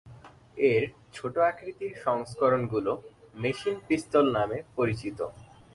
এর ছোট আকৃতির সংস্করণগুলো মেশিন পিস্তল নামে পরিচিত।